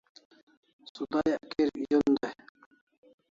Sudayak kirik zun dai